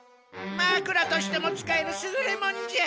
枕としても使えるすぐれもんじゃ。